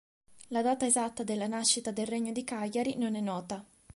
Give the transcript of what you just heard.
La data esatta della nascita del regno di Cagliari non è nota.